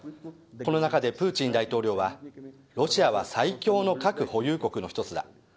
この中でプーチン大統領はロシアは最強の核保有国の一つだ。